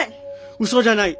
うそじゃない。